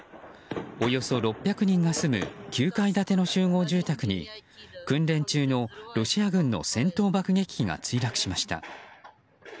およそ６００人が住む９階建ての集合住宅に訓練中のロシア軍の戦闘爆撃機が墜落しました。